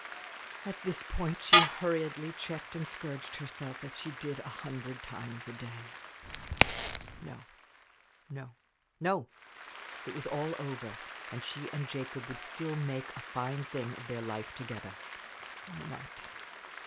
At this point she hurriedly checked and scourged herself, as she did a hundred times a day. No, no, no! It was all over, and she and Jacob would still make a fine thing of their life together. Why not?